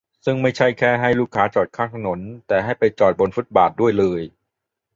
ซึ่งไม่ใช่แค่ให้ลูกค้าจอดข้างถนน แต่ให้ไปจอดบทฟุตบาทด้วยเลย